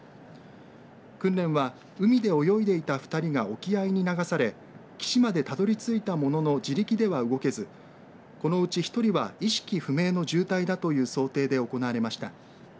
訓練は、海で泳いでいた２人が沖合に流され岸までたどり着いたものの自力では動けずこのうち１人は意識不明の重体だという想定で行われました。